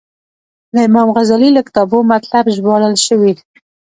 له امام غزالي له کتابو مطالب ژباړل شوي.